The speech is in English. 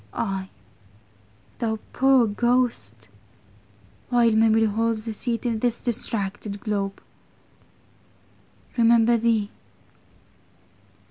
I, thou poore Ghost, while memory holds a seate In this distracted Globe: Remember thee?